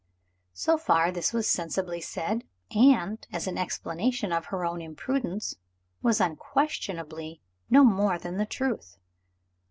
So far, this was sensibly said and, as an explanation of her own imprudence, was unquestionably no more than the truth.